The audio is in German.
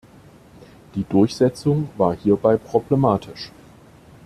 Die Durchsetzung war hierbei problematisch.